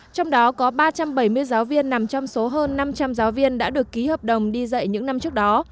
trong đó có ba trăm bảy mươi giáo viên nằm trong số hơn năm trăm linh giáo viên đã được ký hợp đồng đi dạy những năm trước đó